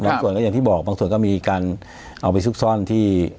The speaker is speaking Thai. ส่วนก็อย่างที่บอกบางส่วนก็มีการเอาไปซุกซ่อนที่